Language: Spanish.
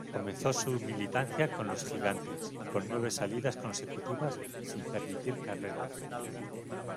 Comenzó su militancia con los Gigantes, con nueve salidas consecutivas sin permitir carreras.